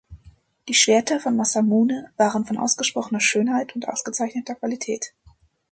Die Schwerter von Masamune waren von ausgesprochener Schönheit und ausgezeichneter Qualität.